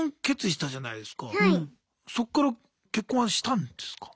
そっから結婚はしたんですか？